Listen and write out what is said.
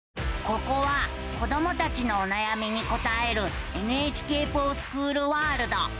ここは子どもたちのおなやみに答える「ＮＨＫｆｏｒＳｃｈｏｏｌワールド」。